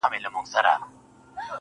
د يوسفي حُسن شروع ته سرگردانه وو,